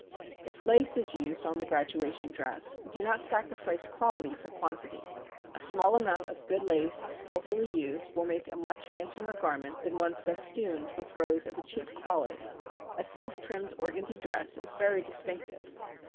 If lace is used on the graduation dress, do not sacrifice quality for quantity. A small amount of good lace skillfully used will make a much handsomer garment than one festooned with rows of a cheap quality. A self trimmed organdy dress is very distinctive.